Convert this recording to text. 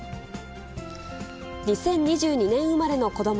２０２２年生まれの子ども